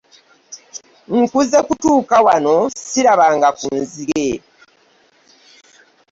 Nkuze kutuuka wano ssirabanga ku nzige.